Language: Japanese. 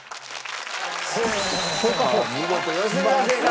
さあ見事良純さん正解！